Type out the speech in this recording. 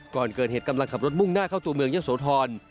ก่อนเกิดเหตุกำลังขับรถมุ่งหน้าเข้าตัวเมืองเยอะโสธร